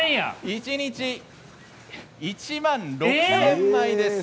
一日、１万６０００枚です。